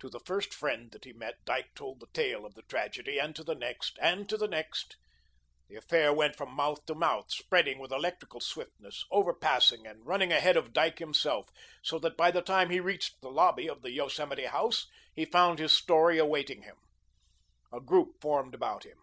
To the first friend that he met, Dyke told the tale of the tragedy, and to the next, and to the next. The affair went from mouth to mouth, spreading with electrical swiftness, overpassing and running ahead of Dyke himself, so that by the time he reached the lobby of the Yosemite House, he found his story awaiting him. A group formed about him.